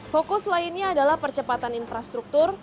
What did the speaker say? fokus lainnya adalah percepatan infrastruktur